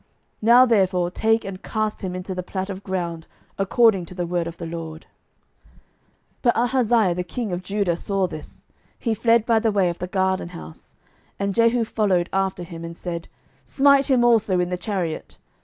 Now therefore take and cast him into the plat of ground, according to the word of the LORD. 12:009:027 But when Ahaziah the king of Judah saw this, he fled by the way of the garden house. And Jehu followed after him, and said, Smite him also in the chariot.